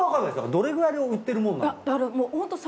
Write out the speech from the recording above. どれくらいで売ってるものなんですか？